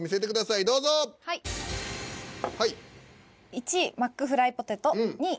１位マックフライポテト２位